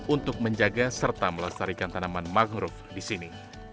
untuk menjaga serta melestarikan tanaman mangrove di sini